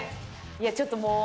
いやちょっともう。